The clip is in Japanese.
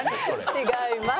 違います。